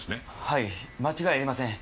はい間違いありません。